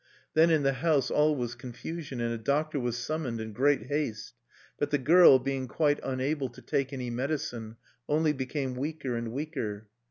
Then in the house all was confusion, and a doctor was summoned in great haste. But the girl, being quite unable to take any medicine, only became weaker and weaker.